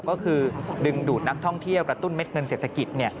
ก็คือดึงดูดนักท่องเที่ยวกระตุ้นเม็ดเงินเศรษฐกิจ